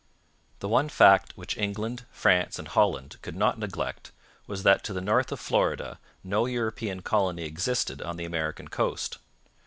The one fact which England, France, and Holland could not neglect was that to the north of Florida no European colony existed on the American coast.